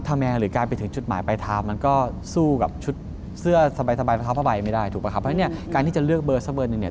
เพราะฉะนั้นเนี่ยการที่จะเลือกเบอร์สักเบอร์หนึ่งเนี่ย